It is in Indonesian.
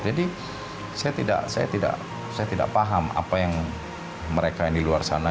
saya tidak paham apa yang mereka yang di luar sana